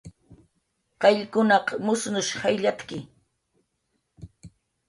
Qayllkunaq musnush jayllatki